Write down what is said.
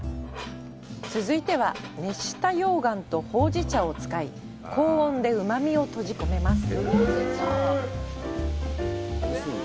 続いては、熱した溶岩とほうじ茶を使い、高温でうまみを閉じ込めます。